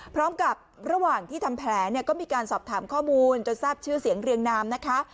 พร้อมกับระหว่างที่ทำแผลเนี่ยก็มีการสอบถามข้อมูลจนทราบชื่อเสียงเรียงนามนะคะ